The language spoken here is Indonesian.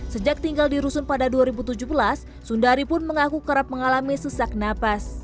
sejak tinggal di rusun pada dua ribu tujuh belas sundari pun mengaku kerap mengalami sesak napas